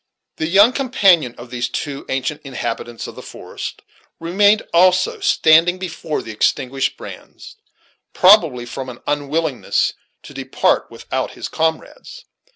The young companion of these two ancient inhabitants of the forest remained also standing before the extinguished brands, probably from an unwillingness to depart without his comrades.